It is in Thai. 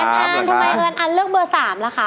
อันทำไมเอิญอันเลือกเบอร์๓ล่ะคะ